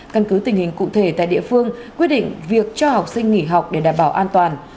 căn cứ tình hình cụ thể tại địa phương quyết định việc cho học sinh nghỉ học để đảm bảo an toàn